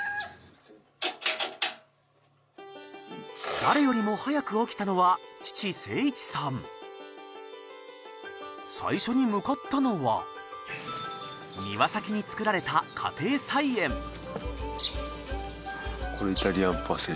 誰よりも早く起きたのは最初に向かったのは庭先に作られたこれ。